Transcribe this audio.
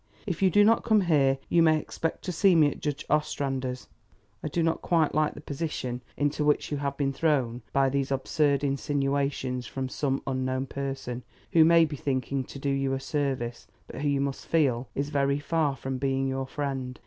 "If you do not come here, you may expect to see me at Judge Ostrander's. I do not quite like the position into which you have been thrown by these absurd insinuations from some unknown person who may be thinking to do you a service, but who you must feel is very far from being your friend.